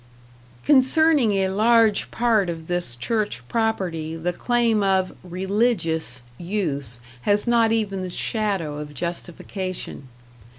Concerning a large part of this church property, the claim of "religious" use has not even the shadow of justification.